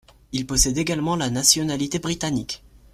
Il possède également la nationalité britannique.